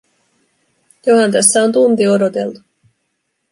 Johan tässä on tunti odoteltu.